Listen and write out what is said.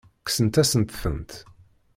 Kksent-asent-tent.